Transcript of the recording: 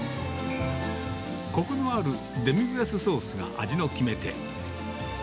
こくのあるデミグラスソースが味の決め手。